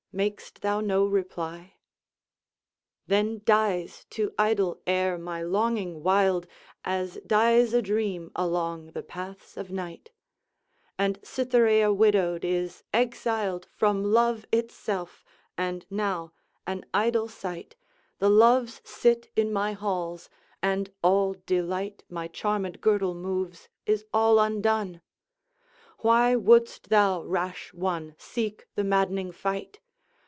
mak'st thou no reply? "Then dies to idle air my longing wild, As dies a dream along the paths of night; And Cytherea widowed is, exiled From love itself; and now an idle sight The Loves sit in my halls, and all delight My charmèd girdle moves, is all undone! Why wouldst thou, rash one, seek the maddening fight?